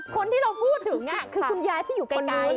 คนที่เราพูดถึงคือคุณยายที่อยู่ไกล